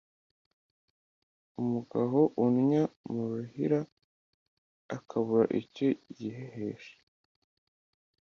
-Umugaho unnya mu ruhira akabura icyo yihehesha.